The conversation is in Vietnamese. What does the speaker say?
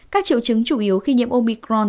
các triệu chứng chủ yếu khi nhiễm omicron